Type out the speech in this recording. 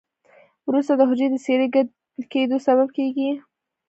وروسته د حجري د څیرې کیدو سبب کیږي چې لایزس نومېږي.